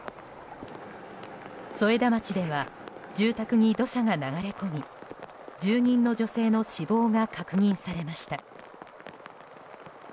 添田町では住宅に土砂が流れ込み住人の女性の死亡が確認されました。